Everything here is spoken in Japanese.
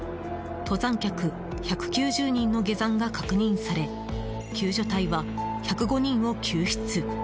登山客１９０人の下山が確認され救助隊は１０５人を救出。